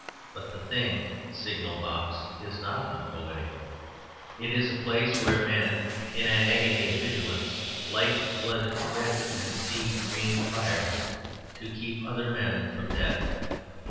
But the thing signal box is not unpoetical; it is a place where men, in an agony of vigilance, light blood red and sea green fires to keep other men from death.